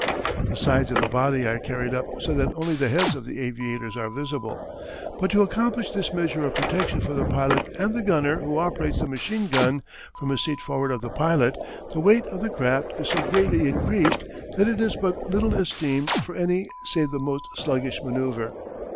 The sides of the body are carried up so that only the heads of the aviators are visible. But to accomplish this measure of protection for the pilot and the gunner who operates the machine gun from a seat forward of the pilot, the weight of the craft is so greatly increased that it is but little esteemed for any save the most sluggish manoeuvre.